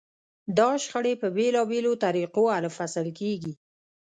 دا شخړې په بېلابېلو طریقو حل و فصل کېږي.